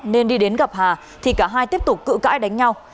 nên đi đến gặp hà thì cả hai tiếp tục cự cãi đánh nhau